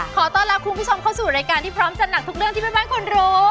ขอต้อนรับคุณผู้ชมเข้าสู่รายการที่พร้อมจัดหนักทุกเรื่องที่แม่บ้านควรรู้